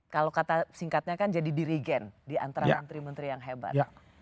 kalau kata singkatnya kan jadi dirigen diantara menteri menteri yang hebat